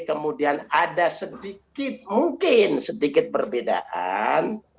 kemudian ada sedikit mungkin sedikit perbedaan